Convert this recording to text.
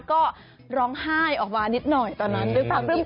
ก็ร้องไห้ออกมานิดหน่อยตอนนั้น